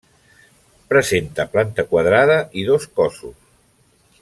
Presenta planta quadrada i dos cossos.